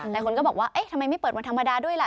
หลายคนก็บอกว่าเอ๊ะทำไมไม่เปิดวันธรรมดาด้วยล่ะ